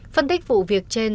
phân tích vụ việc trên